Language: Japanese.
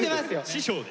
師匠で。